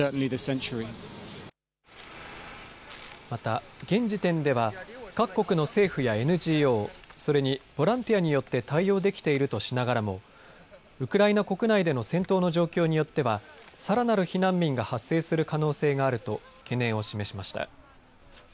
また、現時点では各国の政府やＮＧＯ、それにボランティアによって対応できているとしながらもウクライナ国内での戦闘の状況によってはさらなる避難民が発生する可能性があると懸念を示しました。